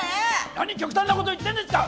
何極端なこと言ってんですか！